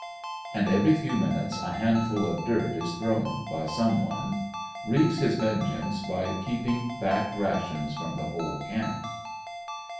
And every few minutes a handful of dirt is thrown by some one. Wreaks his ven geance by keeping back rations from the whole camp.